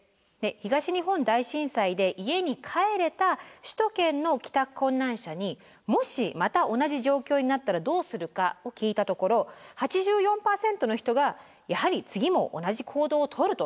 東日本大震災で家に帰れた首都圏の帰宅困難者に「もしまた同じ状況になったらどうするか」を聞いたところ８４％の人がやはり次も同じ行動をとると。